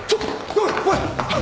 おいおい！